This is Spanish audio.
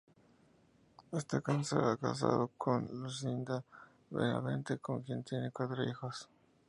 Está casado con Lucinda Benavente, con quien tiene cuatro hijos.